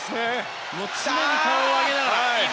常に顔を上げながら。